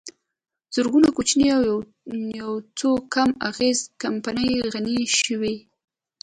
زرګونه کوچنۍ او یوڅو کم اغېزه کمپنۍ غني شوې